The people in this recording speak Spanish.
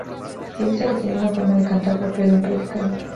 Se dice que tenía una forma de cantar propia de un predicador.